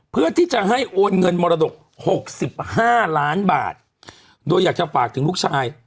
เพื่อที่จะให้โอนเงินมรดกหกสิบห้าล้านบาทโดยอยากจะฝากถึงลูกชาย